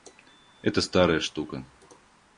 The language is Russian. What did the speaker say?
Это старая штука.